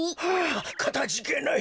かたじけない。